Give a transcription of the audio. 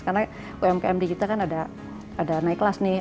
karena umkm digital kan ada naik kelas nih